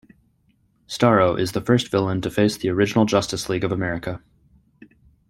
Starro is the first villain to face the original Justice League of America.